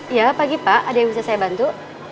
iya pagi pak ada yang bisa saya bantu